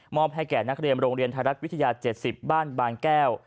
ให้แก่นักเรียนโรงเรียนไทยรัฐวิทยา๗๐บ้านบางแก้ว